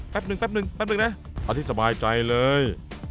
แป๊บนึงนะเอาที่สบายใจเลย